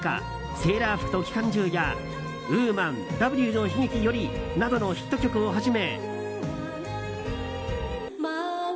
「セーラー服と機関銃」や「Ｗｏｍａｎ“Ｗの悲劇”より」などのヒット曲をはじめ。